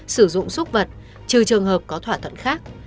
sử dụng xúc vật trừ trường hợp có thỏa thuận khác